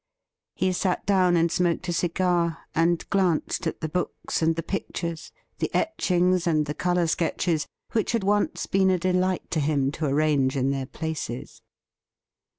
He sat down and smoked a cigar, and glanced at the books and the pictures, the etchings and the colour sketches, which had once been a delight to him to arrange in their places.